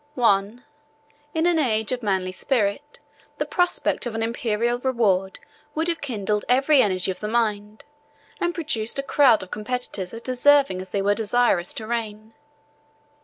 —I. In an age of manly spirit, the prospect of an Imperial reward would have kindled every energy of the mind, and produced a crowd of competitors as deserving as they were desirous to reign.